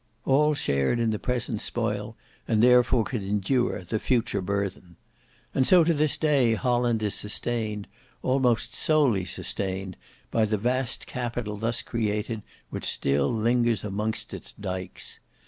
All shared in the present spoil, and therefore could endure the future burthen. And so to this day Holland is sustained, almost solely sustained, by the vast capital thus created which still lingers amongst its dykes.